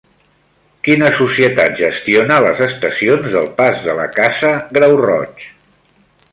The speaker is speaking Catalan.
Quina societat gestiona les estacions del Pas de la Casa-Grau Roig?